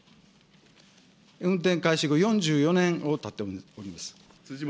運転開始後４４年をたっております。